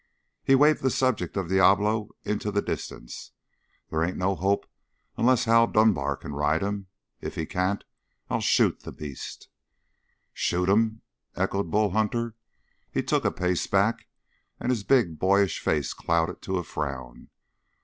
He waved the subject of Diablo into the distance. "They ain't any hope unless Hal Dunbar can ride him. If he can't, I'll shoot the beast!" "Shoot him?" echoed Bull Hunter. He took a pace back, and his big, boyish face clouded to a frown.